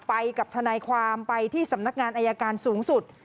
ไปกับทนายความไปที่สำนักงานอายการสูงสุด